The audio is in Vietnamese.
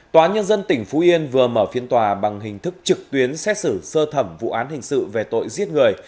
tòa nhân dân tỉnh phú yên vừa mở phiên tòa bằng hình thức trực tuyến xét xử sơ thẩm vụ án hình sự về tội giết người